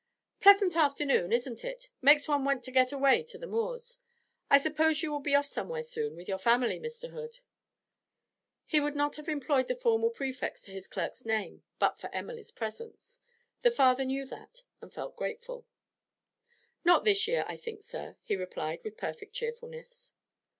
'Pleasant afternoon, isn't it? Makes one want to get away to the moors. I suppose you will be off somewhere soon with your family, Mr. Hood?' He would not have employed the formal prefix to his clerk's name but for Emily's presence; the father knew that, and felt grateful. 'Not this year, I think, sir,' he replied, with perfect cheerfulness.